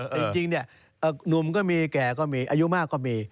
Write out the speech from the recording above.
แต่จริงเนี่ยหนุ่มก็มีแก่ก็มีอายุมากก็มี